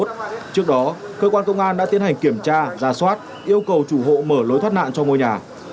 trước đó cơ quan công an đã tiến hành kiểm tra ra soát yêu cầu chủ hộ mở lối thoát nạn cho ngôi nhà